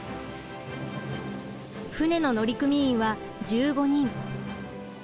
船の乗組員は１５人。